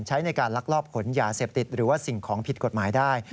ใช้ในการลักลอบขนยาเสพติดหรือว่าสิ่งของผิดกฎหมายได้